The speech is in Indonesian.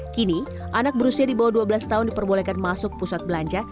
kini anak berusia di bawah dua belas tahun diperbolehkan masuk pusat belanja